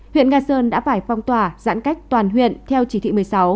huyện nga sơn đã phải phong tỏa giãn cách toàn huyện theo chỉ thị một mươi sáu